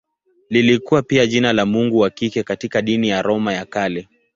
Lilikuwa pia jina la mungu wa kike katika dini ya Roma ya Kale.